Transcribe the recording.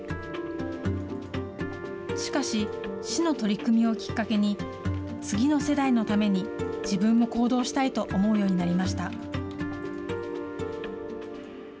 しかし、市の取り組みをきっかけに、次の世代のために自分も行動したいと思うようになりました。